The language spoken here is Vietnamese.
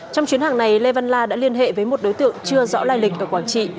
trong chuyến hàng này lê văn la đã liên hệ với một đối tượng chưa rõ lai lịch ở quảng trị